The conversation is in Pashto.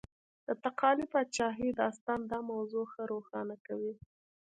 د تقالي پاچاهۍ داستان دا موضوع ښه روښانه کوي.